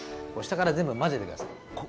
下から全部混ぜてください。